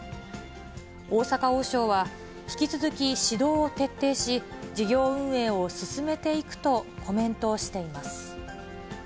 大阪王将は、引き続き指導を徹底し、事業運営を進めていくとコメントしています。